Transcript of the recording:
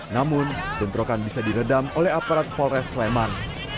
namun bentrokan bisa diredam oleh aparat polres sleman